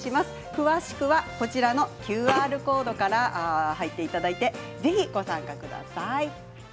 詳しくはＱＲコードから入っていただいてご参加ください。